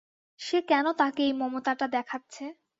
সে কেন তাঁকে এই মমতোটা দেখাচ্ছে?